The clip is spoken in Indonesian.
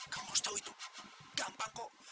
kamu harus tahu itu gampang kok